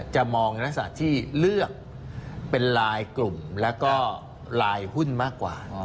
จะมองอย่างนักศักดิ์ที่เลือกเป็นรายกลุ่มและรายหุ้นมากกว่า